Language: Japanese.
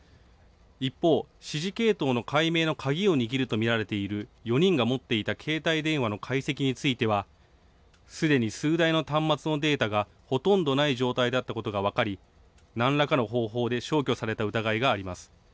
一方、指示系統の解明の鍵を握ると見られている、４人が持っていた携帯電話の解析については、すでに数台の端末のデータがほとんどない状態だったことが分かり、なんらかの方法で消去された疑いがあります。